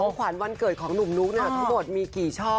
ขวัญวันเกิดของหนุ่มนุ๊กทั้งหมดมีกี่ช่อ